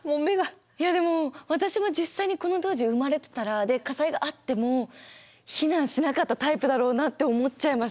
いやでも私も実際にこの当時生まれてたら火災があっても避難しなかったタイプだろうなって思っちゃいました。